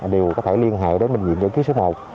đều có thể liên hệ đến bệnh viện giải chiến số một